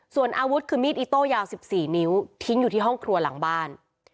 ส่วนอาวุธคือมีดอิโต้ยาว๑๔นิ้วทิ้งอยู่ที่ห้องครัวหลังบ้าน